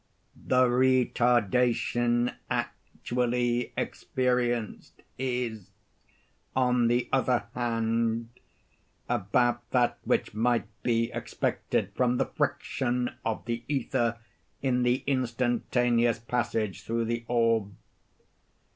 The retardation actually experienced is, on the other hand, about that which might be expected from the friction of the ether in the instantaneous passage through the orb.